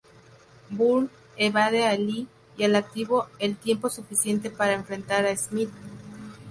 Bourne evade a Lee y al Activo el tiempo suficiente para enfrentar a Smith.